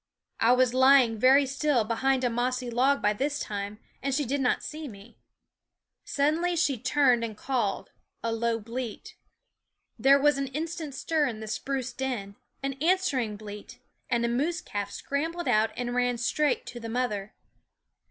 I was lying very still behind a mossy log by this time, and she did not see me. Suddenly she turned and called, a low bleat. There was an instant stir in the spruce den, an answering bleat, and a moose calf scrambled out and ran straight to the mother.